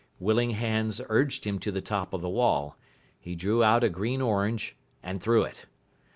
Willing hands urged him to the top of the wall. He drew out a green orange, and threw it.